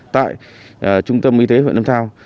tại trung tâm y tế huyện lâm thao